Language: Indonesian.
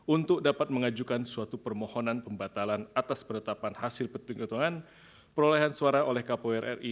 untuk dapat mengajukan suatu permohonan pembatalan atas penetapan hasil petunjukan perolehan suara oleh kpu ri